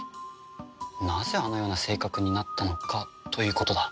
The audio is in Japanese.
なぜあのような性格になったのかということだ。